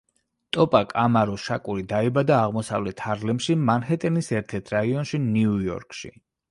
ტუპაკ ამარუ შაკური დაიბადა აღმოსავლეთ ჰარლემში, მანჰეტენის ერთ-ერთ რაიონში, ნიუ-იორკში.